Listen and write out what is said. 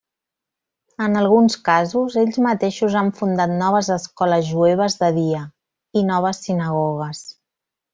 En alguns casos, ells mateixos han fundat noves escoles jueves de dia, i noves sinagogues.